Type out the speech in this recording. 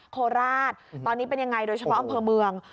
โคราชตอนนี้เป็นยังไงโดยเฉพาะอำเภอเมือง